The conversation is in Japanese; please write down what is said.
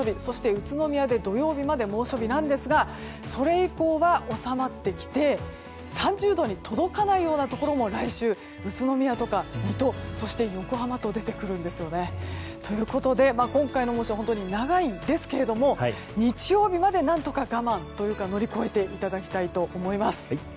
宇都宮では土曜日まで猛暑日なんですがそれ以降は収まってきて３０度に届かないところも来週、宇都宮とか水戸そして横浜と出てくるんですね。ということで、今回の猛暑は本当に長いんですが日曜日まで、何とか我慢というか乗り越えていただきたいと思います。